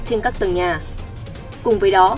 trên các tầng nhà cùng với đó